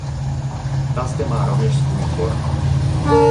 Ta zde má rovněž svůj sbor.